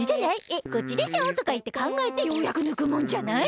「えっこっちでしょ？」とかいってかんがえてようやくぬくもんじゃない？